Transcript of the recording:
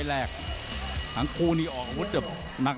โหดแก้งขวาโหดแก้งขวา